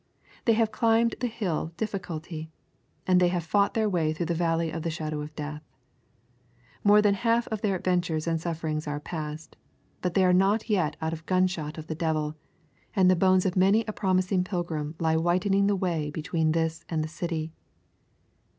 They have climbed the Hill Difficulty, and they have fought their way through the Valley of the Shadow of Death. More than the half of their adventures and sufferings are past; but they are not yet out of gunshot of the devil, and the bones of many a promising pilgrim lie whitening the way between this and the city.